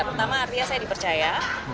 pertama artinya saya dipercaya